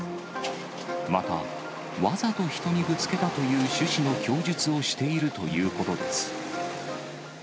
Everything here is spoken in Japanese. また、わざと人にぶつけたという趣旨の供述をしているということです。